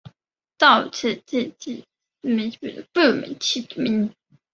绍治帝曾御赐米字部起名。